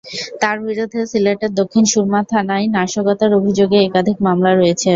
তাঁর বিরুদ্ধে সিলেটের দক্ষিণ সুরমা থানায় নাশকতার অভিযোগে একাধিক মামলা রয়েছে।